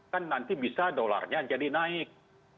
kan nanti bisa dolarnya jadi naik